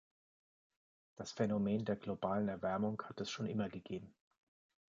Das Phänomen der globalen Erwärmung hat es schon immer gegeben.